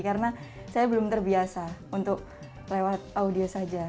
karena saya belum terbiasa untuk lewat audio saja